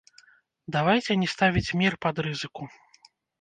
Давайце не ставіць мір пад рызыку.